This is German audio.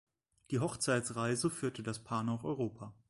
Die Hochzeitsreise führte das Paar nach Europa.